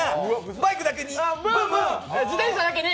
バイクだけに。